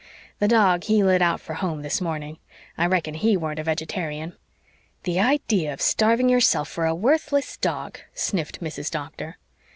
The dog, he lit out for home this morning. I reckon HE weren't a vegetarian." "The idea of starving yourself for a worthless dog!" sniffed Mrs. Doctor.